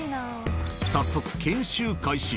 早速、研修開始。